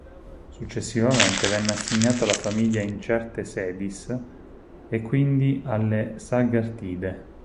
Successivamente venne assegnato alla famiglia "incertae sedis" e quindi alle Sagartiidae.